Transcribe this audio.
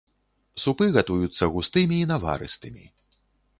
Супы гатуюцца густымі і наварыстымі.